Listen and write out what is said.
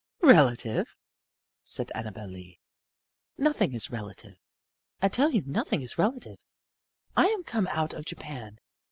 "Relative!" said Annabel Lee. "Nothing is relative. I tell you nothing is relative. I am come out of Japan.